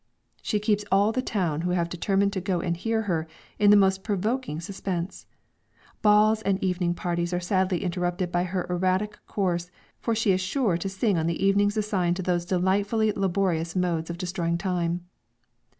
She keeps all the town who have determined to go and hear her, in the most provoking suspense. Balls and evening parties are sadly interrupted by her erratic course, for she is sure to sing on the evenings assigned to those delightfully laborious modes of destroying time.